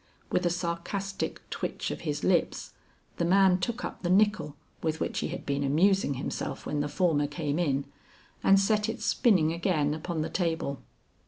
With a sarcastic twitch of his lips the man took up the nickle with which he had been amusing himself when the former came in, and set it spinning again upon the table.